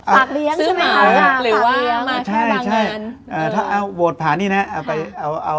ปากเลี้ยงใช่ไหมครับปากเลี้ยงใช่ถ้าโหวตผ่านนี่นะ